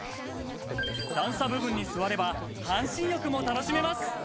段差部分に座れば、半身浴も楽しめます。